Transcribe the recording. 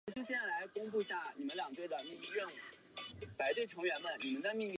利用赤眼蜂防治甘蔗螟虫的研究取得成功。